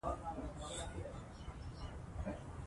سیندونه د افغانستان د ناحیو ترمنځ تفاوتونه رامنځ ته کوي.